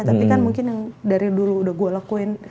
tapi kan mungkin yang dari dulu udah gue lakuin